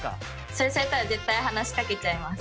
それされたら絶対話しかけちゃいます。